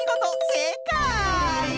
せいかい！